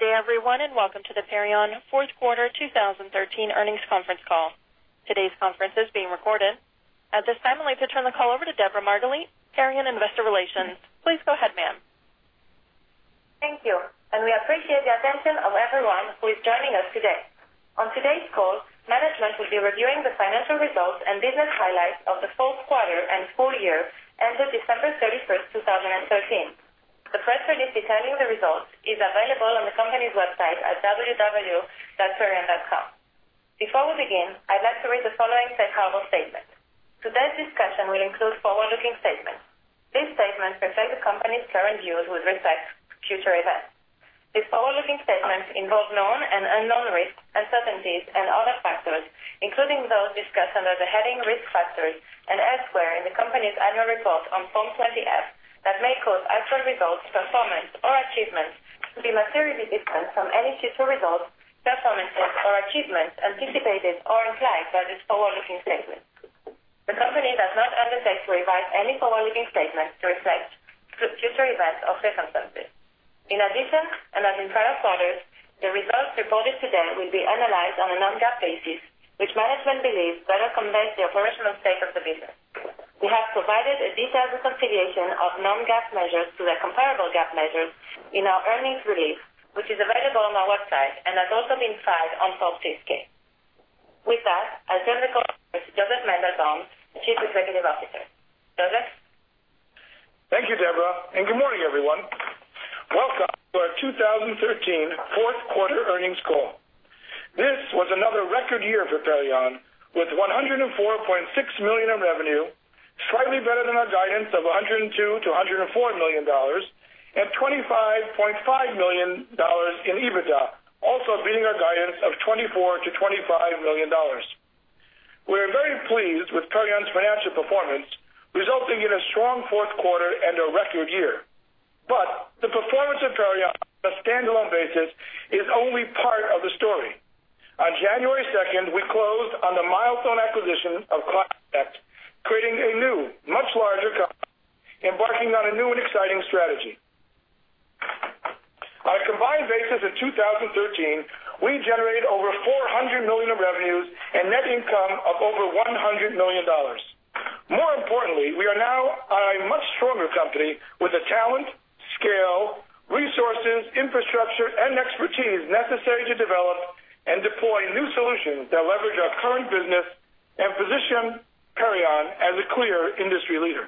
Good day, everyone, and welcome to the Perion fourth quarter 2013 earnings conference call. Today's conference is being recorded. At this time, I'd like to turn the call over to Deborah Margalit, Perion Investor Relations. Please go ahead, ma'am. Thank you. We appreciate the attention of everyone who is joining us today. On today's call, management will be reviewing the financial results and business highlights of the fourth quarter and full year ended December 31st, 2013. The press release detailing the results is available on the company's website at www.perion.com. Before we begin, I'd like to read the following safe harbor statement. Today's discussion will include forward-looking statements. These statements reflect the company's current views with respect to future events. These forward-looking statements involve known and unknown risks, uncertainties, and other factors, including those discussed under the heading Risk Factors and elsewhere in the company's annual report on Form 20-F that may cause actual results, performance, or achievements to be materially different from any future results, performances, or achievements anticipated or implied by these forward-looking statements. The company does not undertake to revise any forward-looking statements to reflect future events or circumstances. In addition, as in prior quarters, the results reported today will be analyzed on a non-GAAP basis, which management believes better conveys the operational state of the business. We have provided a detailed reconciliation of non-GAAP measures to their comparable GAAP measures in our earnings release, which is available on our website and has also been filed on Form 6-K. With that, I'll turn the call over to Josef Mandelbaum, the Chief Executive Officer. Josef? Thank you, Deborah. Good morning, everyone. Welcome to our 2013 fourth quarter earnings call. This was another record year for Perion, with $104.6 million of revenue, slightly better than our guidance of $102 million-$104 million, and $25.5 million in EBITDA, also beating our guidance of $24 million-$25 million. We are very pleased with Perion's financial performance, resulting in a strong fourth quarter and a record year. The performance of Perion on a standalone basis is only part of the story. On January 2nd, we closed on the milestone acquisition of ClientConnect, creating a new, much larger company, embarking on a new and exciting strategy. On a combined basis in 2013, we generated over $400 million of revenues and net income of over $100 million. More importantly, we are now a much stronger company with the talent, scale, resources, infrastructure, and expertise necessary to develop and deploy new solutions that leverage our current business and position Perion as a clear industry leader.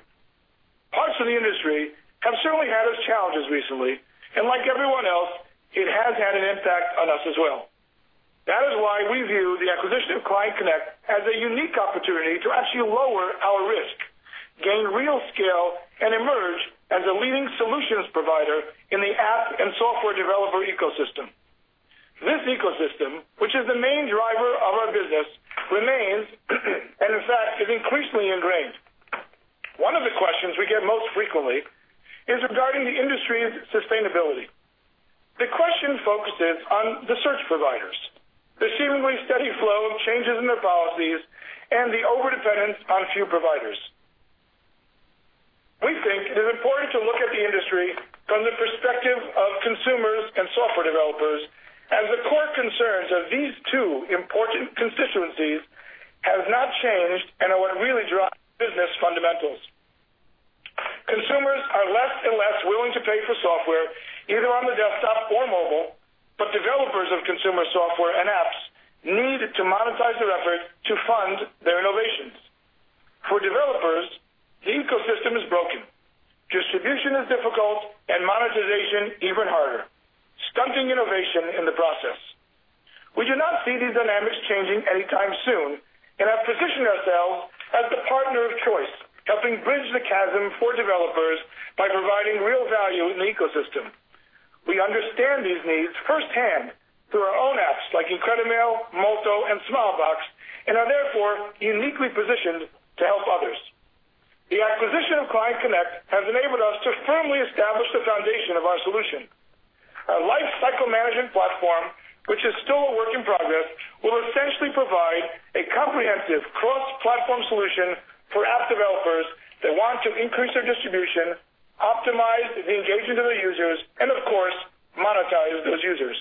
Parts of the industry have certainly had its challenges recently, and like everyone else, it has had an impact on us as well. That is why we view the acquisition of ClientConnect as a unique opportunity to actually lower our risk, gain real scale, and emerge as a leading solutions provider in the app and software developer ecosystem. This ecosystem, which is the main driver of our business, remains, and in fact, is increasingly ingrained. One of the questions we get most frequently is regarding the industry's sustainability. The question focuses on the search providers, the seemingly steady flow of changes in their policies, and the overdependence on a few providers. We think it is important to look at the industry from the perspective of consumers and software developers, as the core concerns of these two important constituencies have not changed and are what really drive business fundamentals. Consumers are less and less willing to pay for software, either on the desktop or mobile, but developers of consumer software and apps need to monetize their effort to fund their innovations. For developers, the ecosystem is broken. Distribution is difficult and monetization even harder, stunting innovation in the process. We do not see these dynamics changing anytime soon and have positioned ourselves as the partner of choice, helping bridge the chasm for developers by providing real value in the ecosystem. We understand these needs firsthand through our own apps like IncrediMail, Molto, and Smilebox, and are therefore uniquely positioned to help others. The acquisition of ClientConnect has enabled us to firmly establish the foundation of our solution. Our lifecycle management platform, which is still a work in progress, will essentially provide a comprehensive cross-platform solution for app developers that want to increase their distribution, optimize the engagement of their users, and of course, monetize those users.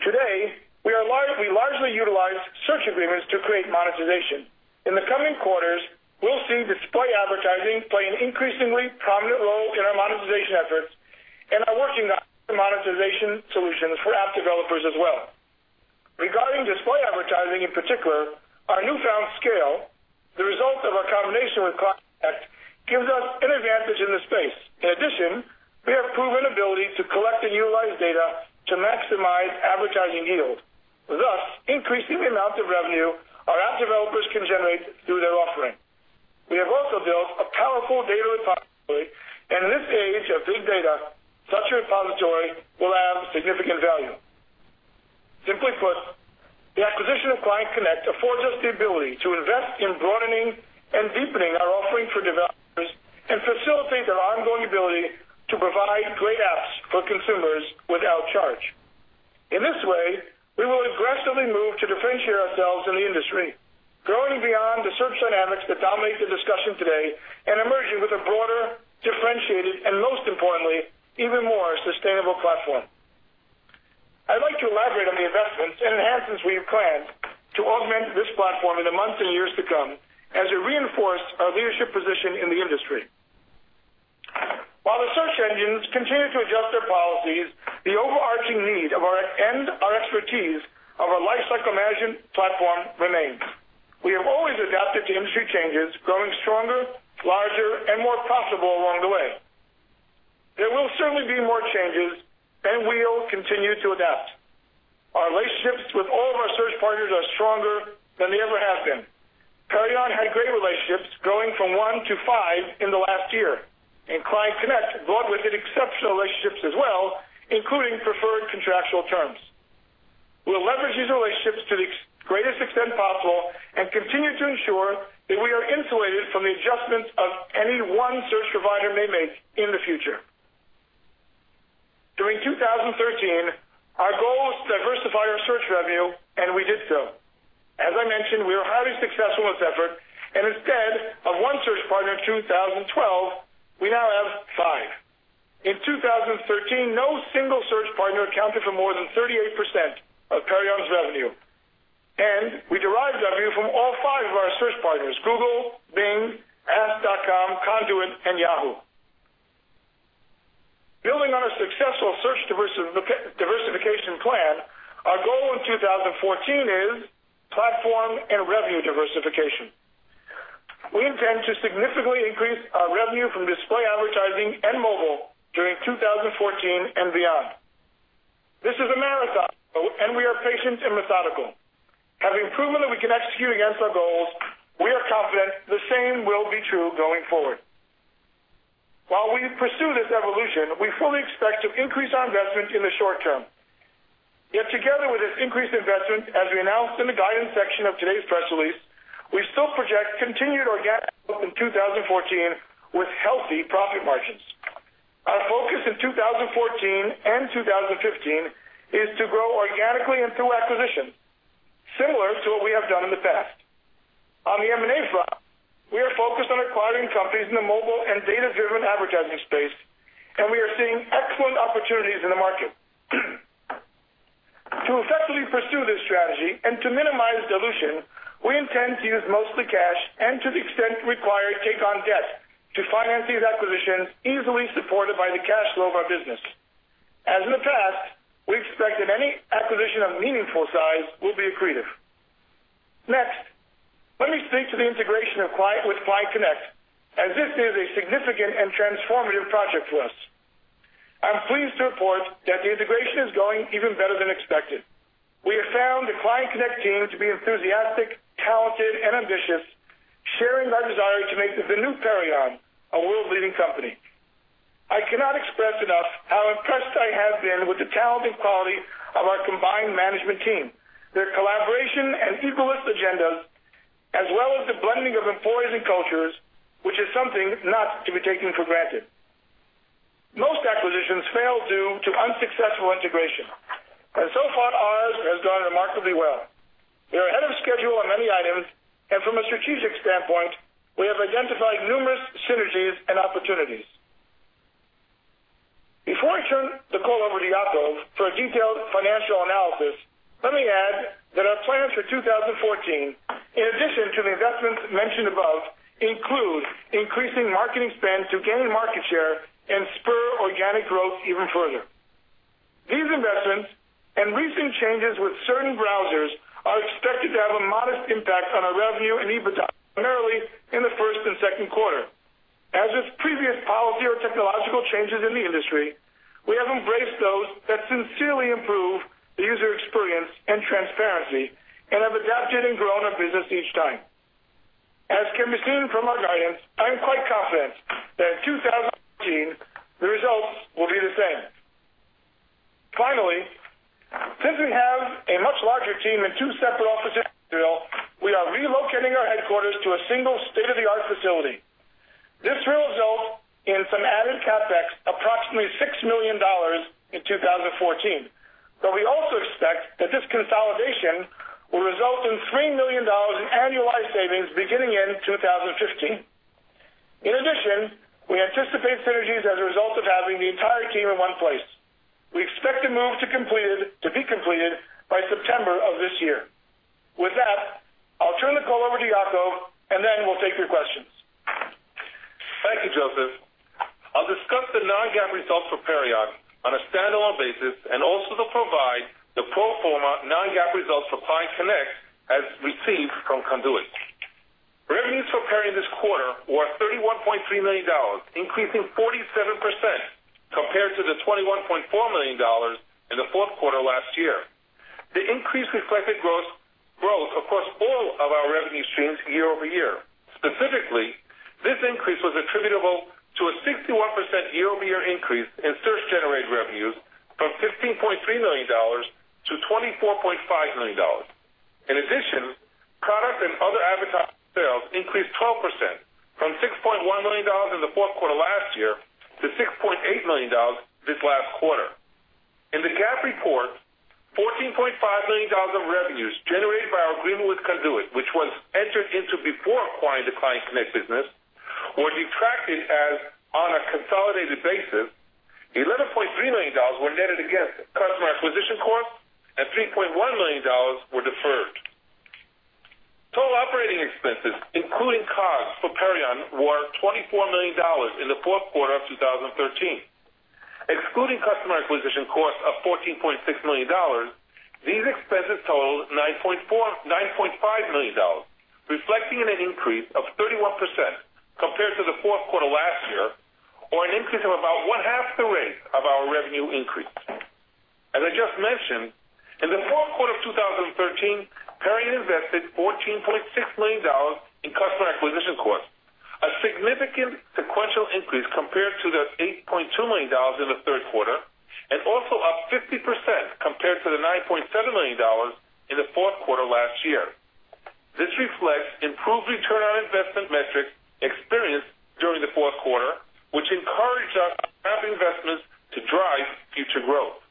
Today, we largely utilize search agreements to create monetization. In the coming quarters, we'll see display advertising play an increasingly prominent role in our monetization efforts and are working on monetization solutions for app developers as well. Regarding display advertising, in particular, our newfound scale, the result of our combination with ClientConnect, gives us an advantage in the space. In addition, we have proven ability to collect and utilize data to maximize advertising yield, thus increasing the amount of revenue our app developers can generate through their offering. We have also built a powerful data repository. In this age of big data, such a repository will have significant value. Simply put, the acquisition of ClientConnect affords us the ability to invest in broadening and deepening our offering for developers and facilitate their ongoing ability to provide great apps for consumers without charge. In this way, we will aggressively move to differentiate ourselves in the industry, products that dominate the discussion today and emerging with a broader, differentiated, and most importantly, even more sustainable platform. I'd like to elaborate on the investments and enhancements we have planned to augment this platform in the months and years to come as it reinforces our leadership position in the industry. While the search engines continue to adjust their policies, the overarching need of our end, our expertise of our lifecycle management platform remains. We have always adapted to industry changes, growing stronger, larger, and more profitable along the way. There will certainly be more changes, and we'll continue to adapt. Our relationships with all of our search partners are stronger than they ever have been. Perion had great relationships growing from one to five in the last year, and ClientConnect brought with it exceptional relationships as well, including preferred contractual terms. We'll leverage these relationships to the greatest extent possible and continue to ensure that we are insulated from the adjustments of any one search provider may make in the future. During 2013, our goal was to diversify our search revenue, and we did so. As I mentioned, we are highly successful in this effort, and instead of one search partner in 2012, we now have five. In 2013, no single search partner accounted for more than 38% of Perion's revenue, and we derived revenue from all five of our search partners, Google, Bing, Ask.com, Conduit, and Yahoo. Building on our successful search diversification plan, our goal in 2014 is platform and revenue diversification. We intend to significantly increase our revenue from display advertising and mobile during 2014 and beyond. This is a marathon, and we are patient and methodical. Having proven that we can execute against our goals, we are confident the same will be true going forward. While we pursue this evolution, we fully expect to increase our investment in the short term. Together with this increased investment, as we announced in the guidance section of today's press release, we still project continued organic growth in 2014 with healthy profit margins. Our focus in 2014 and 2015 is to grow organically and through acquisition, similar to what we have done in the past. On the M&A front, we are focused on acquiring companies in the mobile and data-driven advertising space, and we are seeing excellent opportunities in the market. To effectively pursue this strategy and to minimize dilution, we intend to use mostly cash and to the extent required, take on debt to finance these acquisitions easily supported by the cash flow of our business. As in the past, we expect that any acquisition of meaningful size will be accretive. Next, let me speak to the integration with ClientConnect, as this is a significant and transformative project for us. I'm pleased to report that the integration is going even better than expected. We have found the ClientConnect team to be enthusiastic, talented, and ambitious, sharing our desire to make the new Perion a world-leading company. I cannot express enough how impressed I have been with the talent and quality of our combined management team, their collaboration and equalist agendas, as well as the blending of employees and cultures, which is something not to be taken for granted. Most acquisitions fail due to unsuccessful integration, and so far ours has gone remarkably well. We are ahead of schedule on many items, and from a strategic standpoint, we have identified numerous synergies and opportunities. Before I turn the call over to Yacov for a detailed financial analysis, let me add that our plans for 2014, in addition to the investments mentioned above, include increasing marketing spend to gain market share and spur organic growth even further. These investments and recent changes with certain browsers are expected to have a modest impact on our revenue and EBITDA, primarily in the first and second quarter. As with previous policy or technological changes in the industry, we have embraced those that sincerely improve the user experience and transparency and have adapted and grown our business each time. As can be seen from our guidance, I am quite confident that in 2014, the results will be the same. Finally, since we have a much larger team in two separate offices in Israel, we are relocating our headquarters to a single state-of-the-art facility. This will result in some added CapEx, approximately $6 million in 2014, but we also expect that this consolidation will result in $3 million in annualized savings beginning in 2015. In addition, we anticipate synergies as a result of having the entire team in one place. We expect the move to be completed by September of this year. With that, I'll turn the call over to Yacov, and then we'll take your questions. Thank you, Josef. I'll discuss the non-GAAP results for Perion on a standalone basis and also provide the pro forma non-GAAP results for ClientConnect as received from Conduit. Revenues for Perion this quarter were $31.3 million, increasing 47% compared to the $21.4 million in the fourth quarter last year. The increase reflected growth across all of our revenue streams year-over-year. Specifically, this increase was attributable to a 61% year-over-year increase in search-generated revenues from $15.3 million to $24.5 million. In addition, product and other advertising sales increased 12% from $6.1 million in the fourth quarter last year to $6.8 million this last quarter. In the GAAP report, $14.5 million of revenues generated by our agreement with Conduit, which was entered into before acquiring the ClientConnect business, were retracted as on a consolidated basis. $11.3 million were netted against customer acquisition costs, and $3.1 million were deferred. Total operating expenses, including COGS for Perion, were $24 million in the fourth quarter of 2013. Excluding customer acquisition costs of $14.6 million, these expenses totaled $9.5 million, reflecting an increase of 31% compared to the fourth quarter last year, or an increase of about one-half the rate of our revenue increase. As I just mentioned, in the fourth quarter of 2013, Perion invested $14.6 million in customer acquisition costs, a significant sequential increase compared to the $8.2 million in the third quarter, and also up 50% compared to the $9.7 million in the fourth quarter last year. This reflects improved return on investment metrics experienced during the fourth quarter, which encouraged our investments to drive future growth.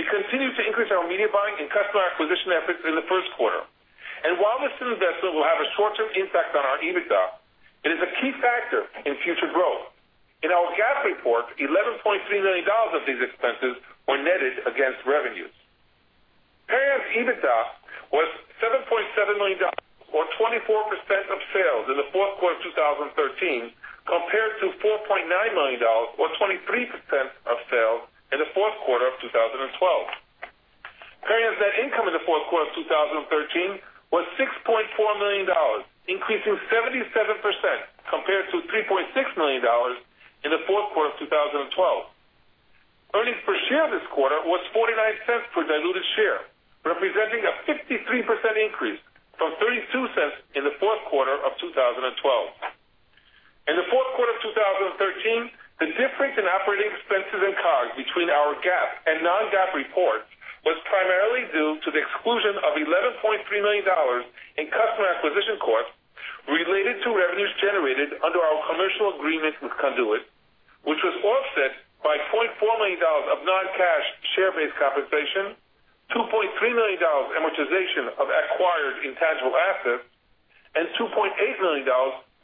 We continue to increase our media buying and customer acquisition efforts in the first quarter. While this investment will have a short-term impact on our EBITDA, it is a key factor in future growth. In our GAAP report, $11.3 million of these expenses were netted against revenues. Perion's EBITDA was $7.7 million, or 24% of sales in the fourth quarter 2013, compared to $4.9 million or 23% of sales in the fourth quarter of 2012. Perion's net income in the fourth quarter 2013 was $6.4 million, increasing 77% compared to $3.6 million in the fourth quarter of 2012. Earnings per share this quarter was $0.49 per diluted share, representing a 53% increase from $0.32 in the fourth quarter of 2012. In the fourth quarter of 2013, the difference in operating expenses and COGS between our GAAP and non-GAAP reports was primarily due to the exclusion of $11.3 million in customer acquisition costs related to revenues generated under our commercial agreement with Conduit, which was offset by $4.4 million of non-cash share-based compensation, $2.3 million amortization of acquired intangible assets, and $2.8 million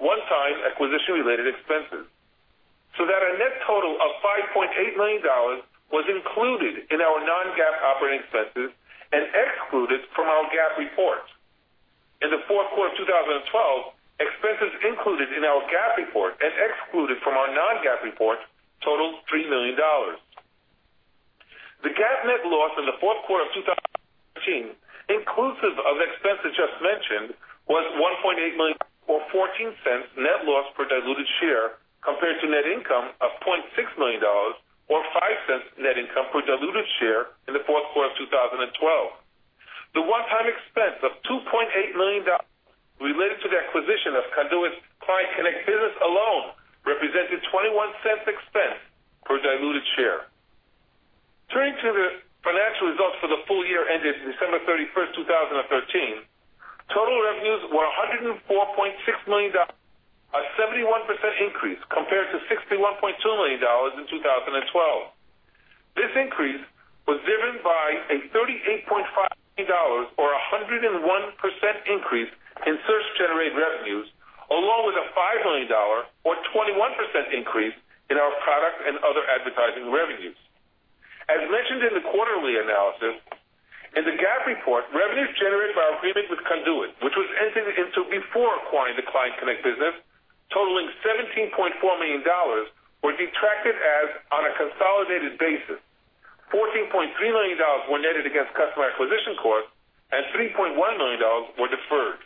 one-time acquisition-related expenses. A net total of $5.8 million was included in our non-GAAP operating expenses and excluded from our GAAP report. In the fourth quarter 2012, expenses included in our GAAP report and excluded from our non-GAAP report totaled $3 million. The GAAP net loss in the fourth quarter of 2013, inclusive of expenses just mentioned, was $1.8 million or $0.14 net loss per diluted share, compared to net income of $0.6 million or $0.05 net income per diluted share in the fourth quarter of 2012. The one-time expense of $2.8 million related to the acquisition of Conduit's ClientConnect business alone represented $0.21 expense per diluted share. Turning to the financial results for the full year ended December 31st, 2013. Total revenues were $104.6 million, a 71% increase compared to $61.2 million in 2012. This increase was driven by a $38.5 million or 101% increase in search-generated revenues, along with a $5 million or 21% increase in our product and other advertising revenues. As mentioned in the quarterly analysis, in the GAAP report, revenues generated by our agreement with Conduit, which was entered into before acquiring the ClientConnect business, totaling $17.4 million, were detracted as on a consolidated basis. $14.3 million were netted against customer acquisition costs, and $3.1 million were deferred.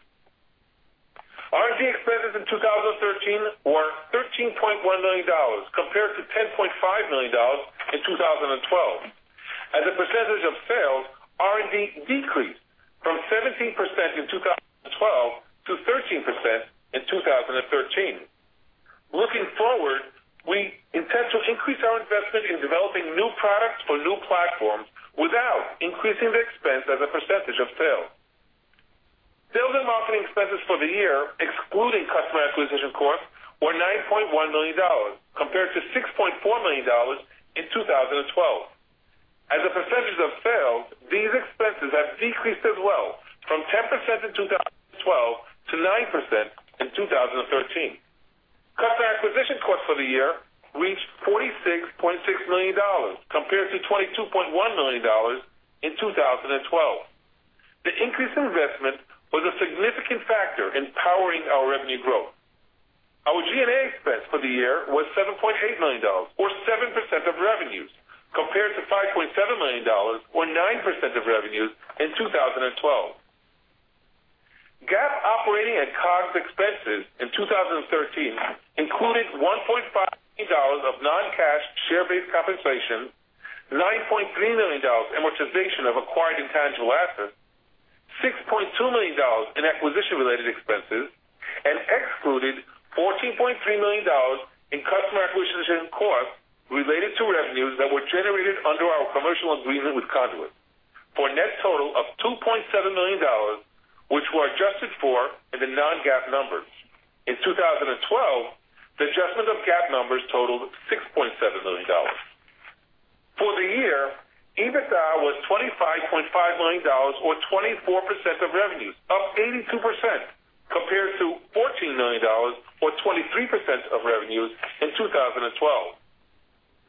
R&D expenses in 2013 were $13.1 million, compared to $10.5 million in 2012. As a percentage of sales, R&D decreased from 17% in 2012 to 13% in 2013. Looking forward, we intend to increase our investment in developing new products for new platforms without increasing the expense as a percentage of sales. Sales and marketing expenses for the year, excluding customer acquisition costs, were $9.1 million, compared to $6.4 million in 2012. As a percentage of sales, these expenses have decreased as well from 10% in 2012 to 9% in 2013. Customer acquisition costs for the year reached $46.6 million, compared to $22.1 million in 2012. The increase in investment was a significant factor in powering our revenue growth. Our G&A expense for the year was $7.8 million or 7% of revenues, compared to $5.7 million or 9% of revenues in 2012. GAAP operating and COGS expenses in 2013 included $1.5 million of non-cash share-based compensation, $9.3 million amortization of acquired intangible assets, $6.2 million in acquisition-related expenses, and excluded $14.3 million in customer acquisition costs related to revenues that were generated under our commercial agreement with Conduit for a net total of $2.7 million, which were adjusted for in the non-GAAP numbers. In 2012, the adjustment of GAAP numbers totaled $6.7 million. For the year, EBITDA was $25.5 million or 24% of revenues, up 82% compared to $14 million or 23% of revenues in 2012.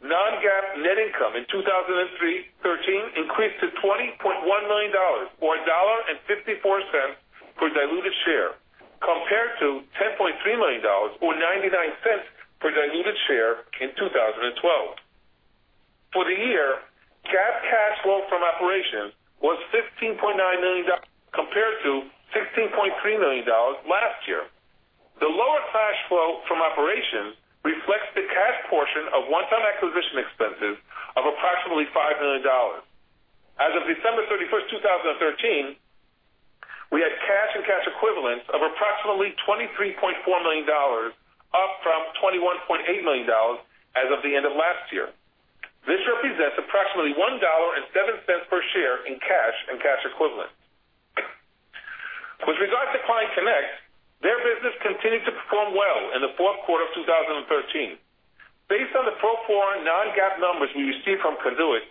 Non-GAAP net income in 2013 increased to $20.1 million, or $1.54 per diluted share, compared to $10.3 million or $0.99 per diluted share in 2012. For the year, GAAP cash flow from operations was $15.9 million, compared to $16.3 million last year. The lower cash flow from operations reflects the cash portion of one-time acquisition expenses of approximately $5 million. As of December 31st, 2013, we had cash and cash equivalents of approximately $23.4 million, up from $21.8 million as of the end of last year. This represents approximately $1.07 per share in cash and cash equivalents. With regard to ClientConnect, their business continued to perform well in the fourth quarter of 2013. Based on the pro forma non-GAAP numbers we received from Conduit,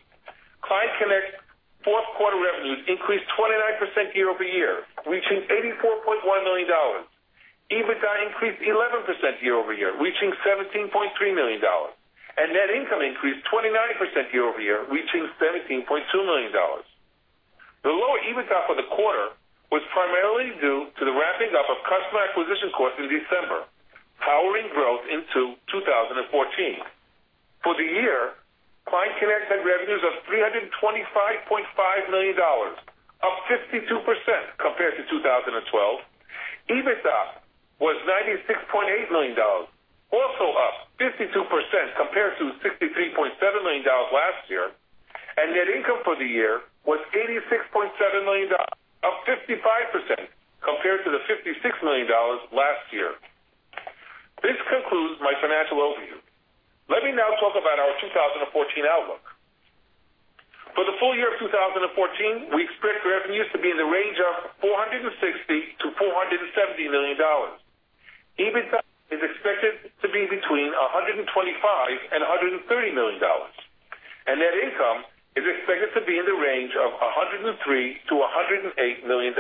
ClientConnect's fourth quarter revenues increased 29% year-over-year, reaching $84.1 million. EBITDA increased 11% year-over-year, reaching $17.3 million. Net income increased 29% year-over-year, reaching $17.2 million. The lower EBITDA for the quarter was primarily due to the wrapping up of customer acquisition costs in December, powering growth into 2014. For the year, ClientConnect net revenues of $325.5 million, up 52% compared to 2012. EBITDA was $96.8 million, also up 52% compared to $63.7 million last year. Net income for the year was $86.7 million, up 55% compared to $56 million last year. This concludes my financial overview. Let me now talk about our 2014 outlook. For the full year of 2014, we expect revenues to be in the range of $460 million-$470 million. EBITDA is expected to be between $125 million and $130 million. Net income is expected to be in the range of $103 million-$108 million.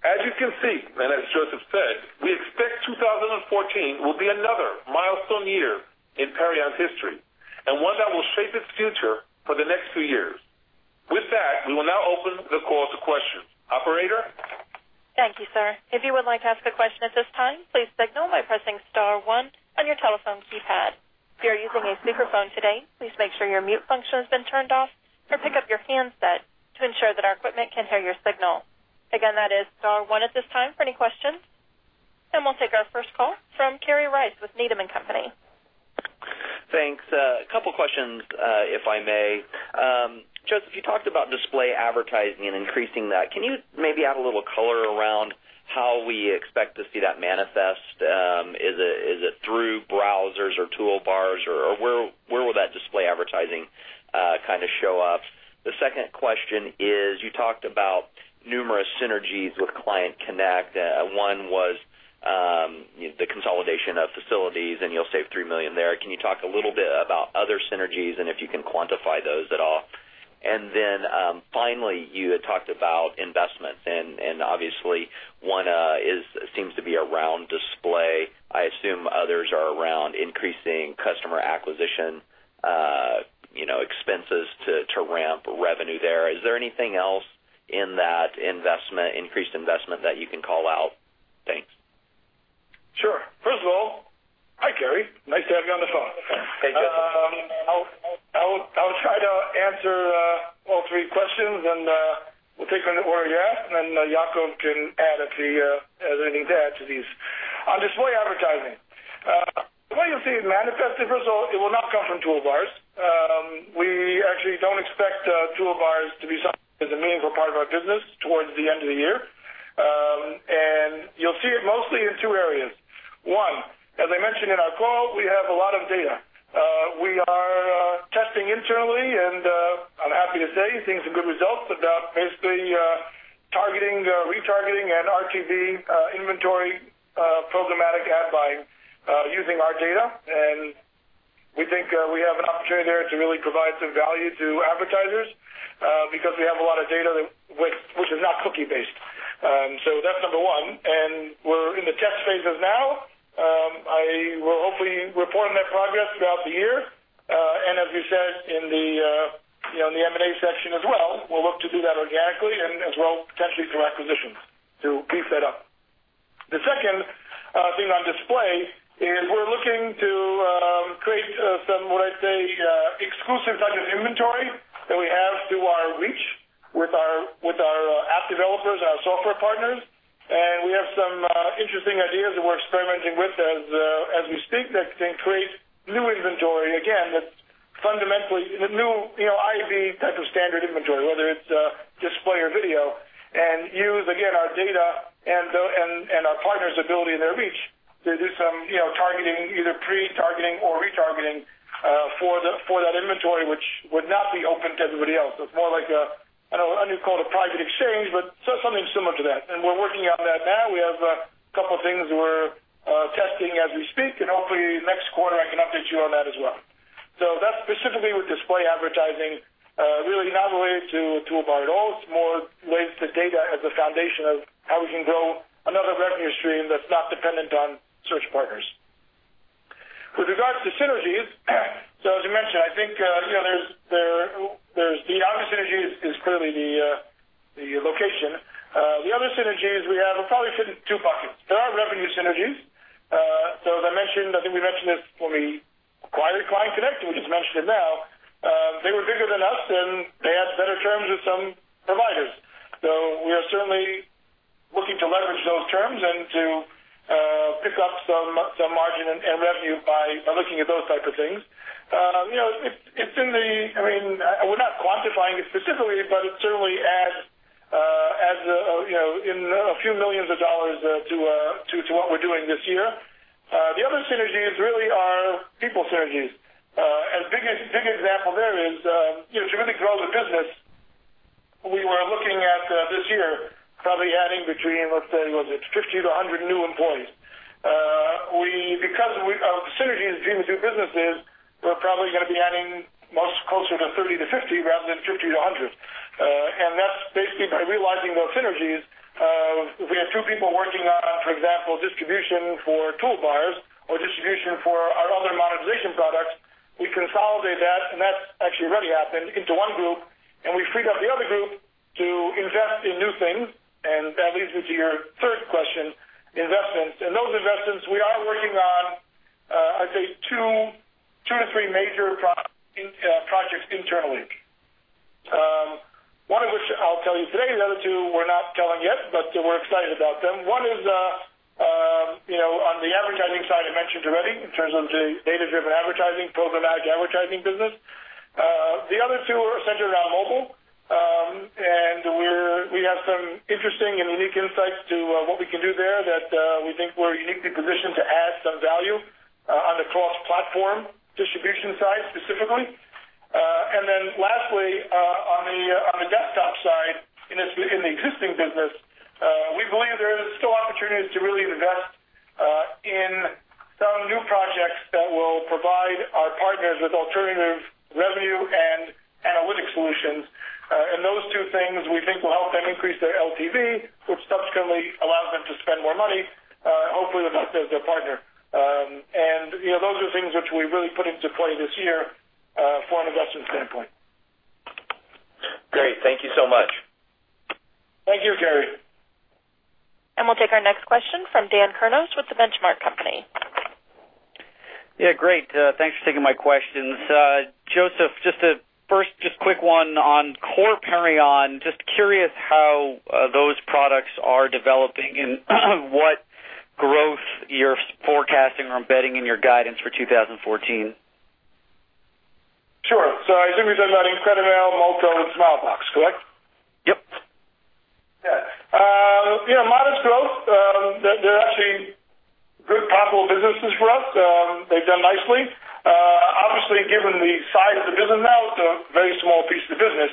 As you can see, and as Josef said, we expect 2014 will be another milestone year in Perion's history, and one that will shape its future for the next few years. With that, we will now open the call to questions. Operator? Thank you, sir. If you would like to ask a question at this time, please signal by pressing *1 on your telephone keypad. If you are using a speakerphone today, please make sure your mute function has been turned off or pick up your handset to ensure that our equipment can hear your signal. Again, that is *1 at this time for any questions. We'll take our first call from Kerry Rice with Needham & Company. Thanks. A couple questions, if I may. Josef, you talked about display advertising and increasing that. Can you maybe add a little color around how we expect to see that manifest? Is it through browsers or toolbars, or where will that display advertising kind of show up? The second question is, you talked about numerous synergies with ClientConnect. One was the consolidation of facilities, and you'll save $3 million there. Can you talk a little bit about other synergies and if you can quantify those at all? Finally, you had talked about investments and obviously one seems to be around display. I assume others are around increasing customer acquisition expenses to ramp revenue there. Is there anything else in that increased investment that you can call out? Thanks. Sure. First of all, hi, Kerry. Nice to have you on the phone. Hey, Josef. I'll try to answer all three questions. We'll take them in the order you asked, then Yacov can add if he has anything to add to these. On display advertising. The way you'll see it manifest, first of all, it will not come from toolbars. We actually don't expect toolbars to be something that's a meaningful part of our business towards the end of the year. You'll see it mostly in two areas. One, as I mentioned in our call, we have a lot of data. We are testing internally, and I'm happy to say, seeing some good results about basically targeting, retargeting, and RTB inventory, programmatic ad buying using our data. We think we have an opportunity there to really provide some value to advertisers because we have a lot of data which is not cookie-based. That's number 1. We're in the test phases now. We'll hopefully report on that progress throughout the year. As we said in the M&A section as well, we'll look to do that organically and as well, potentially through acquisitions to beef that up. The second thing on display is we're looking to create some, what I'd say, exclusive types of inventory that we have through our reach with our app developers and our software partners. We have some interesting ideas that we're experimenting with as we speak that can create new inventory. Again, that's fundamentally new IV type of standard inventory, whether it's display or video, and use, again, our data and our partners' ability and their reach They do some targeting, either pre-targeting or retargeting, for that inventory, which would not be open to everybody else. It's more like a, I don't know, I wouldn't call it a private exchange, but something similar to that. We're working on that now. We have a couple of things we're testing as we speak, and hopefully next quarter, I can update you on that as well. That's specifically with display advertising, really not related to a toolbar at all. It's more related to data as a foundation of how we can grow another revenue stream that's not dependent on search partners. With regards to synergies, as you mentioned, I think the obvious synergy is clearly the location. The other synergies we have will probably fit in two buckets. There are revenue synergies. As I mentioned, I think we mentioned this when we acquired ClientConnect. We just mentioned it now. They were bigger than us. They had better terms with some providers. We are certainly looking to leverage those terms and to pick up some margin and revenue by looking at those types of things. We're not quantifying it specifically, but it certainly adds in a few million dollars to what we're doing this year. The other synergies really are people synergies. A big example there is, to really grow the business, we were looking at this year, probably adding between, let's say, was it 50-100 new employees. Because of synergies between the two businesses, we're probably going to be adding much closer to 30-50 rather than 50-100. That's basically by realizing those synergies. If we have two people working on, for example, distribution for toolbars or distribution for our other monetization products, we consolidate that, and that's actually already happened, into one group, and we freed up the other group to invest in new things. That leads me to your third question, investments. Those investments we are working on, I'd say two to three major projects internally. One of which I'll tell you today, the other two we're not telling yet, but we're excited about them. One is on the advertising side I mentioned already, in terms of data-driven advertising, programmatic advertising business. The other two are centered around mobile, and we have some interesting and unique insights to what we can do there that we think we're uniquely positioned to add some value on the cross-platform distribution side, specifically. Lastly, on the desktop side, in the existing business, we believe there is still opportunities to really invest in some new projects that will provide our partners with alternative revenue and analytic solutions. Those two things we think will help them increase their LTV, which subsequently allows them to spend more money, hopefully, with us as their partner. Those are things which we really put into play this year from an investment standpoint. Great. Thank you so much. Thank you, Kerry. We'll take our next question from Daniel Kurnos with The Benchmark Company. Yeah, great. Thanks for taking my questions. Josef, just a first quick one on core Perion. Just curious how those products are developing and what growth you're forecasting or embedding in your guidance for 2014. Sure. I think we're talking about IncrediMail, Molto, and Smilebox, correct? Yep. Yeah. Modest growth. They're actually good profitable businesses for us. They've done nicely. Obviously, given the size of the business now, it's a very small piece of the business.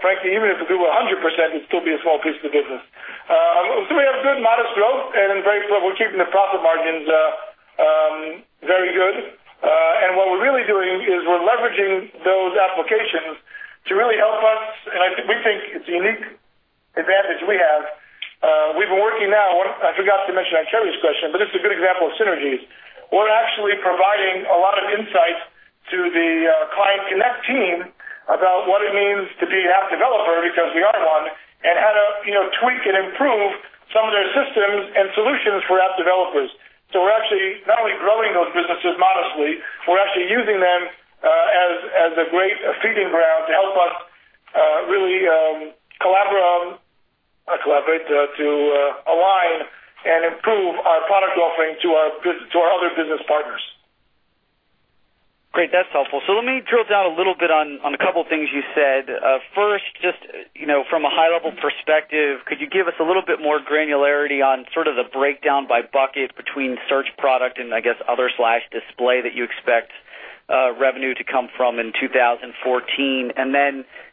Frankly, even if it grew 100%, it'd still be a small piece of the business. We have good modest growth, and we're keeping the profit margins very good. What we're really doing is we're leveraging those applications to really help us, and we think it's a unique advantage we have. We've been working now, I forgot to mention on Kerry's question, but it's a good example of synergies. We're actually providing a lot of insight to the ClientConnect team about what it means to be an app developer because we are one, and how to tweak and improve some of their systems and solutions for app developers. We're actually not only growing those businesses modestly, we're actually using them as a great feeding ground to help us really align and improve our product offering to our other business partners. Great. That's helpful. Let me drill down a little bit on a couple of things you said. First, just from a high-level perspective, could you give us a little bit more granularity on sort of the breakdown by bucket between search product and I guess other/display that you expect revenue to come from in 2014?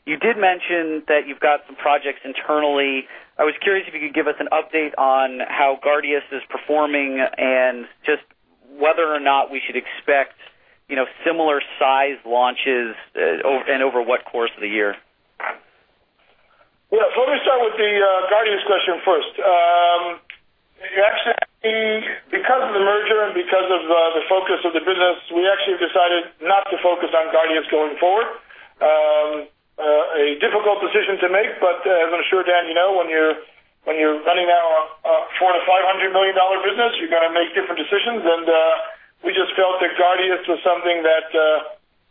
You did mention that you've got some projects internally. I was curious if you could give us an update on how Guardius is performing and just whether or not we should expect similar size launches and over what course of the year. Yeah. Let me start with the Guardius question first. Actually, because of the merger and because of the focus of the business, we actually decided not to focus on Guardius going forward. A difficult decision to make, but as I'm sure, Dan, you know, when you're running now a $400 million to $500 million business, you're going to make different decisions. We just felt that Guardius was something that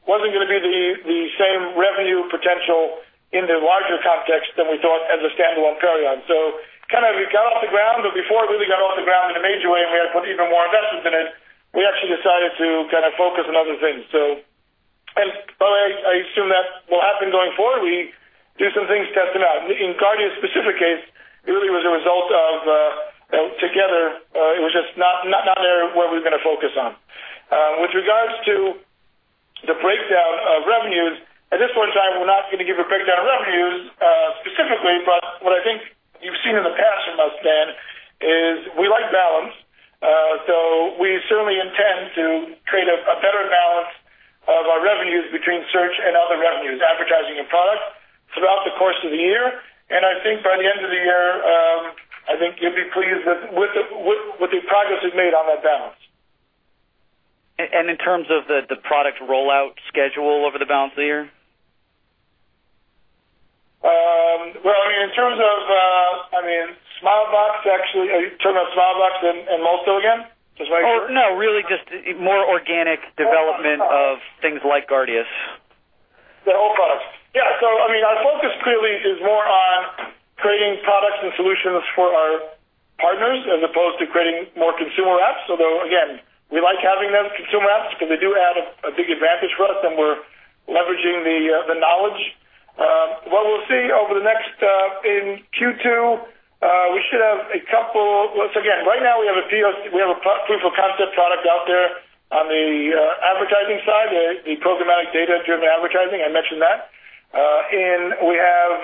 wasn't going to be the same revenue potential in the larger context than we thought as a standalone Perion. It got off the ground, but before it really got off the ground in a major way, and we had to put even more investments in it, we actually decided to kind of focus on other things. Going forward, we do some things, test them out. In Guardius' specific case, it really was a result of together, it was just not an area where we're going to focus on. With regards to the breakdown of revenues, at this point in time, we're not going to give a breakdown of revenues specifically, but what I think you've seen in the past from us, Dan, is we like balance. We certainly intend to create a better balance of our revenues between search and other revenues, advertising and product, throughout the course of the year. I think by the end of the year, I think you'll be pleased with the progress we've made on that balance. In terms of the product rollout schedule over the balance of the year? Well, in terms of Smilebox and Molto again? Is that right? Oh, no, really just more organic development of things like Guardius. The old products. Yeah. Our focus clearly is more on creating products and solutions for our partners as opposed to creating more consumer apps. Again, we like having those consumer apps because they do add a big advantage for us, and we're leveraging the knowledge. In Q2, we should have. Right now we have a proof of concept product out there on the advertising side, the programmatic data-driven advertising, I mentioned that. We have,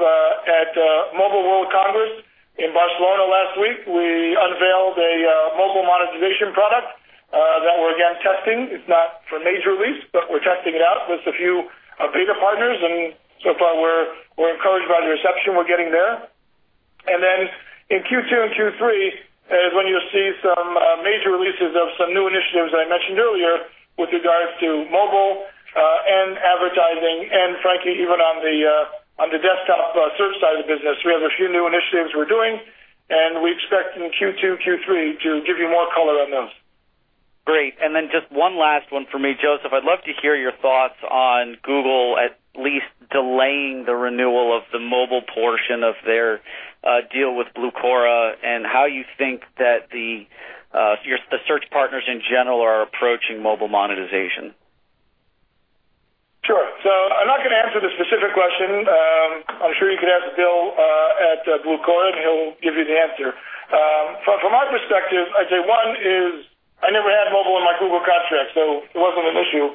at Mobile World Congress in Barcelona last week, we unveiled a mobile monetization product, that we're again, testing. It's not for major release, but we're testing it out with a few beta partners, and so far we're encouraged by the reception we're getting there. In Q2 and Q3 is when you'll see some major releases of some new initiatives that I mentioned earlier with regards to mobile, advertising, and frankly, even on the desktop search side of the business. We have a few new initiatives we're doing, and we expect in Q2, Q3 to give you more color on those. Great. Just one last one for me, Josef. I'd love to hear your thoughts on Google at least delaying the renewal of the mobile portion of their deal with Blucora and how you think that the search partners in general are approaching mobile monetization. Sure. I'm not going to answer the specific question. I'm sure you could ask Bill at Blucora, and he'll give you the answer. From my perspective, I'd say one is I never had mobile in my Google contract, so it wasn't an issue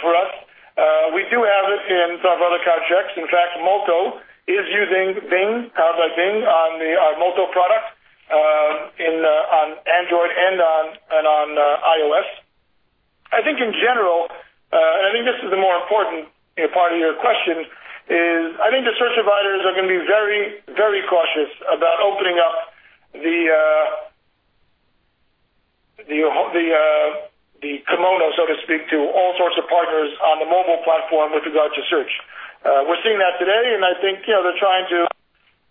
for us. We do have it in some of our other contracts. In fact, Molto is using Bing, powered by Bing, on the Molto product on Android and on iOS. I think in general, and I think this is the more important part of your question, is I think the search providers are going to be very cautious about opening up the kimono, so to speak, to all sorts of partners on the mobile platform with regard to search. We're seeing that today, and I think they're trying to,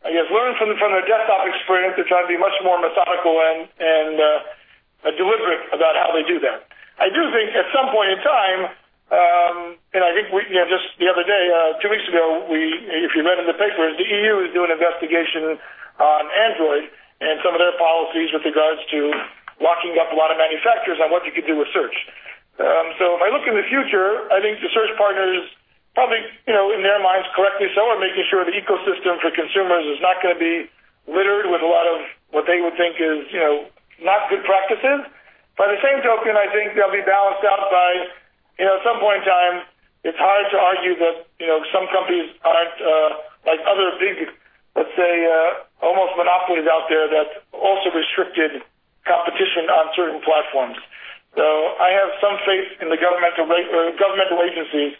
I guess, learn from their desktop experience. They're trying to be much more methodical and deliberate about how they do that. I do think at some point in time, and I think just the other day, two weeks ago, if you read in the papers, the EU is doing an investigation on Android and some of their policies with regards to locking up a lot of manufacturers on what you could do with search. If I look in the future, I think the search partners probably, in their minds correctly so, are making sure the ecosystem for consumers is not going to be littered with a lot of what they would think is not good practices. By the same token, I think they'll be balanced out by, at some point in time, it's hard to argue that some companies aren't like other big, let's say, almost monopolies out there that also restricted competition on certain platforms. I have some faith in the governmental agencies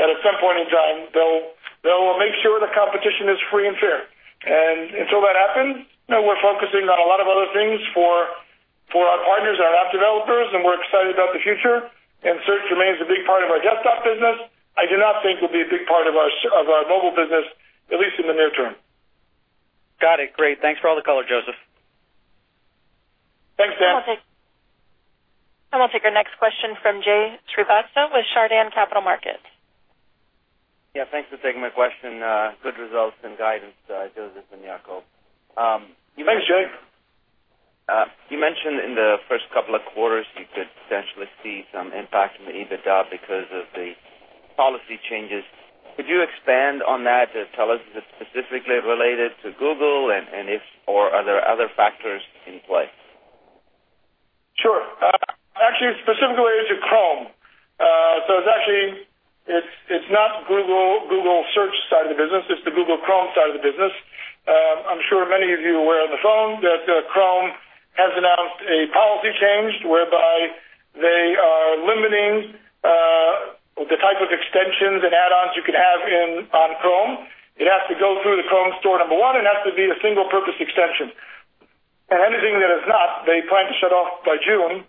that at some point in time, they'll make sure the competition is free and fair. Until that happens, we're focusing on a lot of other things for our partners, our app developers, and we're excited about the future, and search remains a big part of our desktop business. I do not think it will be a big part of our mobile business, at least in the near term. Got it. Great. Thanks for all the color, Josef. Thanks, Dan. I will take our next question from Jay Srivatsa with Chardan Capital Markets. Thanks for taking my question. Good results and guidance, Josef and Yacov. Thanks, Jay. You mentioned in the first couple of quarters, you could potentially see some impact on the EBITDA because of the policy changes. Could you expand on that to tell us is it specifically related to Google and if/are there other factors in play? Sure. Actually, it's specifically related to Chrome. It's not Google search side of the business, it's the Google Chrome side of the business. I'm sure many of you are aware on the phone that Chrome has announced a policy change whereby they are limiting the type of extensions and add-ons you can have on Chrome. It has to go through the Chrome Web Store, number 1, and it has to be a single-purpose extension. Anything that is not, they plan to shut off by June.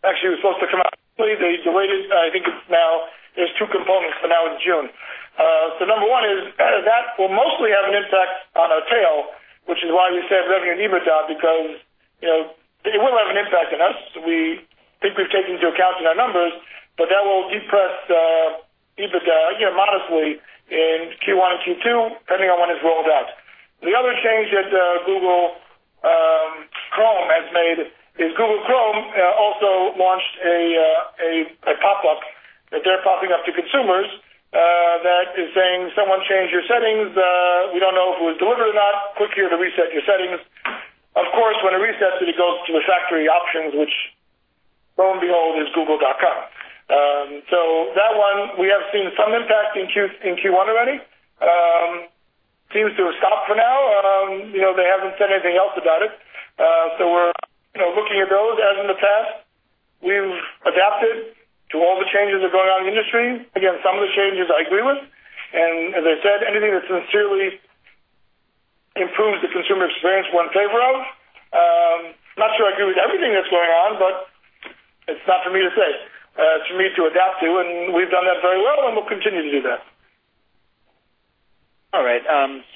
Actually, it was supposed to come out early. They delayed it. I think there's 2 components, but now it's June. Number 1 is that will mostly have an impact on our tail, which is why we say it's having an EBITDA because it will have an impact on us. We think we've taken into account in our numbers, that will depress EBITDA modestly in Q1 and Q2, depending on when it's rolled out. The other change that Google Chrome also launched a pop-up that they're popping up to consumers that is saying, "Someone changed your settings. We don't know if it was deliberate or not. Click here to reset your settings." Of course, when it resets it goes to the factory options, which, lo and behold, is google.com. That one, we have seen some impact in Q1 already. Seems to have stopped for now. They haven't said anything else about it. We're looking at those as in the past. We've adapted to all the changes that are going on in the industry. Again, some of the changes I agree with, as I said, anything that sincerely improves the consumer experience, we're in favor of. I'm not sure I agree with everything that's going on, it's not for me to say. It's for me to adapt to, we've done that very well, we'll continue to do that. All right.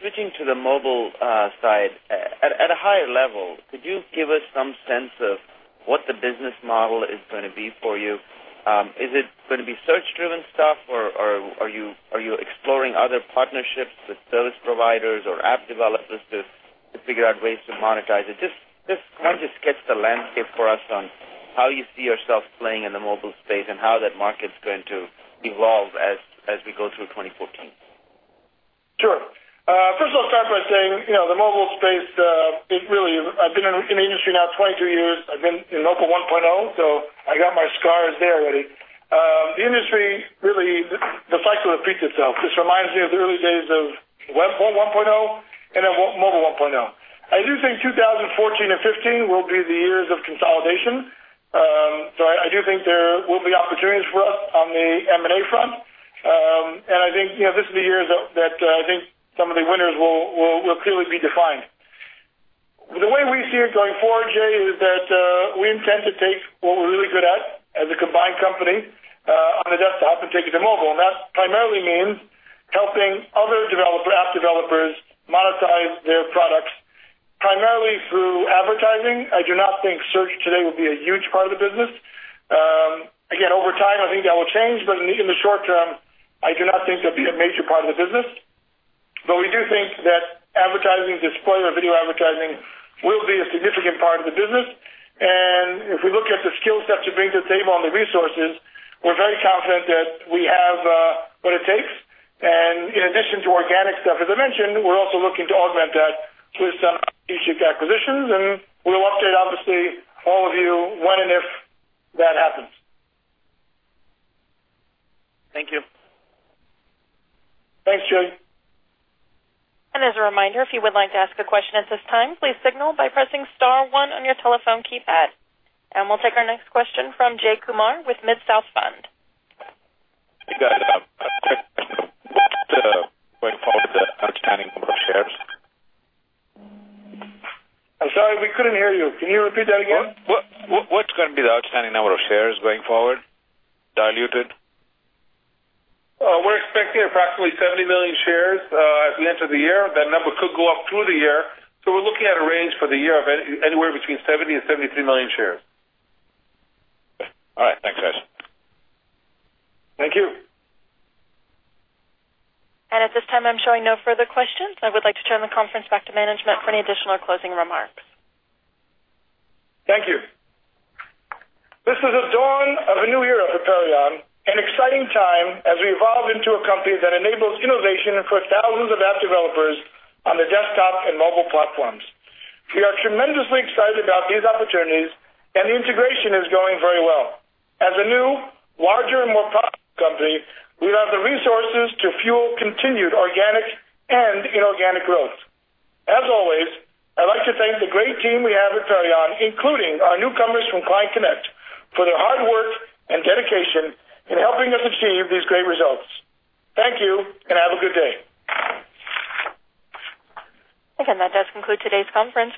Switching to the mobile side. At a higher level, could you give us some sense of what the business model is going to be for you? Is it going to be search-driven stuff, or are you exploring other partnerships with service providers or app developers to figure out ways to monetize it? Just kind of sketch the landscape for us on how you see yourself playing in the mobile space and how that market's going to evolve as we go through 2014. Sure. First of all, start by saying, the mobile space, I've been in the industry now 22 years. I've been in mobile 1.0, I got my scars there already. The industry, really, the cycle repeats itself. This reminds me of the early days of web 1.0 and then mobile 1.0. I do think 2014 and 2015 will be the years of consolidation. I do think there will be opportunities for us on the M&A front. I think this is the year that I think some of the winners will clearly be defined. The way we see it going forward, Jay, is that we intend to take what we're really good at as a combined company on the desktop and take it to mobile. That primarily means helping other app developers monetize their products, primarily through advertising. I do not think search today will be a huge part of the business. Again, over time, I think that will change, but in the short term, I do not think it'll be a major part of the business. We do think that advertising, display or video advertising, will be a significant part of the business. If we look at the skill set to bring to the table and the resources, we're very confident that we have what it takes. In addition to organic stuff, as I mentioned, we're also looking to augment that with some strategic acquisitions, and we will update, obviously, all of you when and if that happens. Thank you. Thanks, Jay. As a reminder, if you would like to ask a question at this time, please signal by pressing star one on your telephone keypad. We'll take our next question from Jay Kumar with MidSouth Fund. Hey, guys. What's the going forward outstanding number of shares? I'm sorry, we couldn't hear you. Can you repeat that again? What's going to be the outstanding number of shares going forward, diluted? We're expecting approximately 70 million shares as we enter the year. That number could go up through the year. We're looking at a range for the year of anywhere between 70 and 73 million shares. All right. Thanks, guys. Thank you. At this time, I'm showing no further questions. I would like to turn the conference back to management for any additional closing remarks. Thank you. This is a dawn of a new era for Perion, an exciting time as we evolve into a company that enables innovation for thousands of app developers on the desktop and mobile platforms. We are tremendously excited about these opportunities, and the integration is going very well. As a new, larger, and more powerful company, we have the resources to fuel continued organic and inorganic growth. As always, I'd like to thank the great team we have at Perion, including our newcomers from ClientConnect, for their hard work and dedication in helping us achieve these great results. Thank you, and have a good day. Again, that does conclude today's conference.